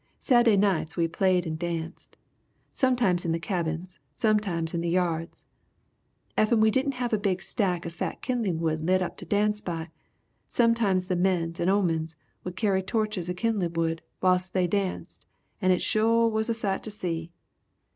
Sadday nights we played and danced. Sometimes in the cabins, sometimes in the yards. Effen we didn' have a big stack of fat kindling wood lit up to dance by, sometimes the mens and 'omans would carry torches of kindling wood whils't they danced and it sho' was a sight to see!